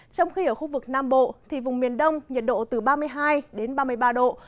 trong khi ở khu vực nam bộ thì vùng miền đông nhiệt độ từ ba mươi hai đến ba mươi ba độ